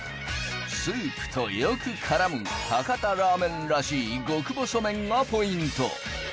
スープとよく絡む博多ラーメンらしい極細麺がポイント